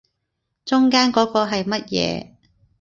中間嗰個係乜嘢